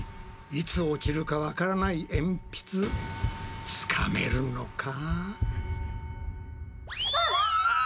いつ落ちるかわからないえんぴつつかめるのか？